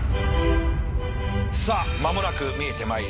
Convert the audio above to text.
さあ間もなく見えてまいります。